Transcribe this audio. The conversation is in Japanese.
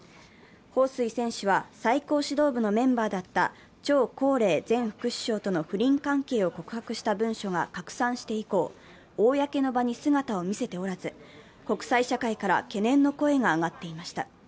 彭帥選手は最高指導部のメンバーだった張高麗前副首相との不倫関係を告白した文書が拡散して以降、公の場に姿を見せておらず、国際社会から懸念の声が上がっていました。